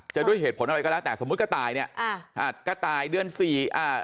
จะด้วยเหตุผลอะไรก็แล้วแต่สมมุติกระต่ายเนี่ยกระต่ายเดือนสี่